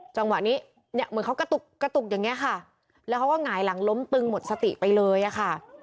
จังหวะนี้เนี่ยเหมือนเขากระตุกกระตุกอย่างนี้ค่ะแล้วเขาก็หงายหลังล้มตึงหมดสติไปเลยอะค่ะ